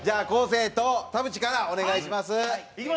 生と田渕からお願いします。